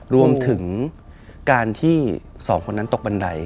รวมถึงการที่๒คนนั้นตกบันได